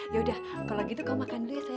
yaudah kalau gitu kamu makan dulu ya sayang